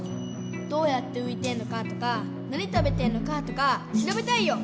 どうやってういてんのかとか何食べてんのかとかしらべたいよ！